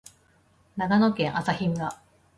長野県朝日村